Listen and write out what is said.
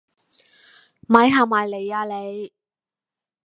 咪行埋嚟呀你